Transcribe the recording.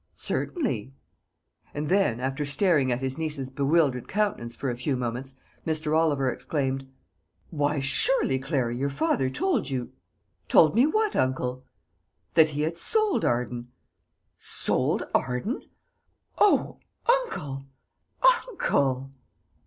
"Certainly." And then, after staring at his niece's bewildered countenance for a few moments, Mr. Oliver exclaimed, "Why, surely, Clary, your father told you " "Told me what, uncle?" "That he had sold Arden." "Sold Arden! O, uncle, uncle!"